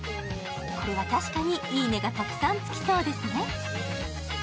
これは確かにいいねがたくさんつきそうですね。